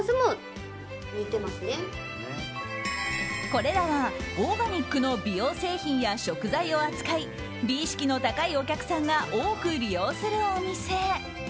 これらはオーガニックの美容製品や食材を扱い美意識の高いお客さんが多く利用するお店。